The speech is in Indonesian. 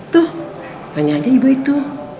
tuh hanya aja ibu itu